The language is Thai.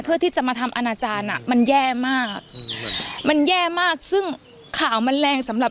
เพื่อที่จะมาทำอนาจารย์อ่ะมันแย่มากมันแย่มากซึ่งข่าวมันแรงสำหรับ